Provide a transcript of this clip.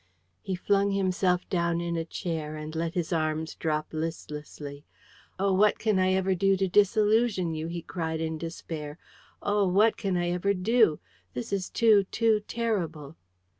He flung himself down in a chair, and let his arms drop listlessly. "Oh! what can I ever do to disillusion you?" he cried in despair. "Oh! what can I ever do? This is too, too terrible!"